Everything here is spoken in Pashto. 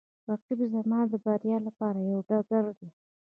رقیب زما د بریا لپاره یوه ډګر دی